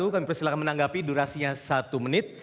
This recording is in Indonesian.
kami persilakan menanggapi durasinya satu menit